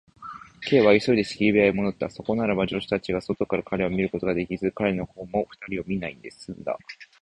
Ｋ は急いで仕切り部屋へもどった。そこならば、助手たちが外から彼を見ることができず、彼のほうも二人を見ないですんだ。